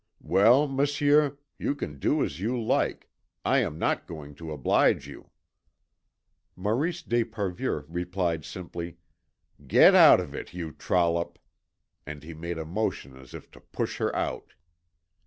Well, Monsieur, you can do as you like I am not going to oblige you." Maurice d'Esparvieu replied simply, "Get out of it, you trollop!" And he made a motion as if to push her out.